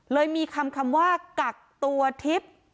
เลยมีคำว่ากักตัวทิพย์